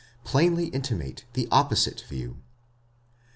plainly intimate the opposite view.